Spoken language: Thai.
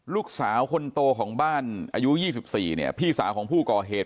ลูกสาวคนโตของบ้านอายุ๒๔เนี่ยพี่สาวของผู้ก่อเหตุ